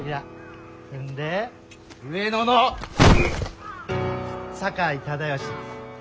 そんで上野の酒井忠尚。